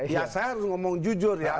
ya saya harus ngomong jujur ya